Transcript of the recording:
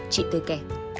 chị tư kẻ